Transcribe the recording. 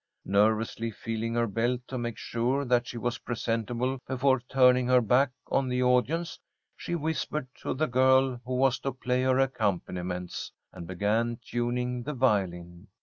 Nervously feeling her belt to make sure that she was presentable before turning her back on the audience, she whispered to the girl who was to play her accompaniments, and began tuning the violin.